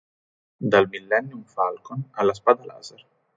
Dal Millennium Falcon alla spada laser.